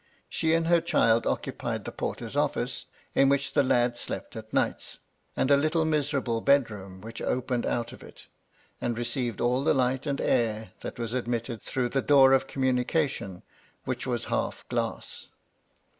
She and her child occupied the porter's office (in which the lad slept at nights) and a little, miserable bed room which opened MY LADY LUDLOW. 137 out of it, and received all the light and air that was admitted through the door of communication, which was half glass.